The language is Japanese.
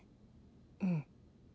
うん。